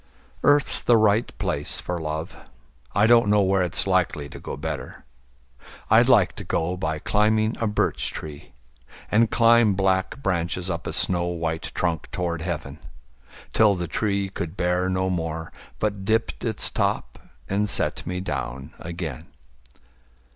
Earth's the right place for love: I don't know where it's likely to go better. I'd like to go by climbing a birch tree, And climb black branches up a snow white trunk Toward heaven, till the tree could bear no more, But dipped its top and set me down again.